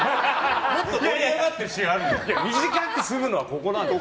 もっと盛り上がってるシーン短くするならここなんですよ。